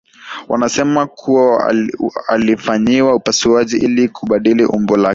wanasema kuwa alifanyiwa upasuaji ili kubadili umbo lake